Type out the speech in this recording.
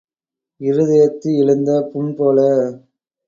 இருதயத்து எழுந்த புண் போல.